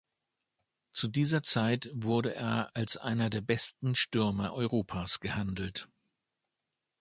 Zu dieser Zeit wurde er als einer der besten Stürmer Europas gehandelt.